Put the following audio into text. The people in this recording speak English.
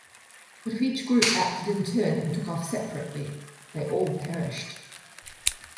But if each group acted in turn and took off separately, they all perished.